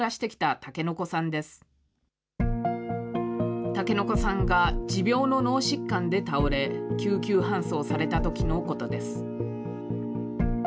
竹乃娘さんが持病の脳疾患で倒れ、救急搬送されたときのことです。